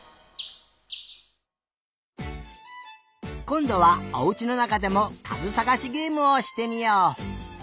こんどはおうちのなかでもかずさがしゲームをしてみよう！